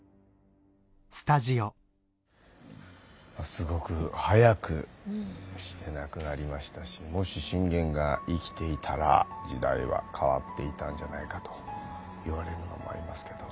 すごく早くして亡くなりましたしもし信玄が生きていたら時代は変わっていたんじゃないかと言われるのもありますけど。